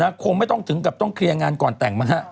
คงไม่ต้องถึงกับต้องเคลียร์งานก่อนแต่งมั้งฮะ